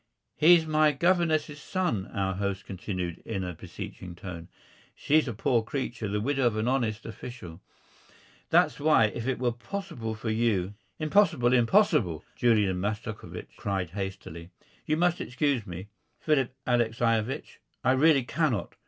"He's my governess's son," our host continued in a beseeching tone. "She's a poor creature, the widow of an honest official. That's why, if it were possible for you " "Impossible, impossible!" Julian Mastakovich cried hastily. "You must excuse me, Philip Alexeyevich, I really cannot.